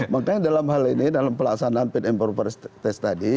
makanya dalam hal ini dalam pelaksanaan paint improper test tadi